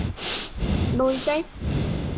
Đôi dép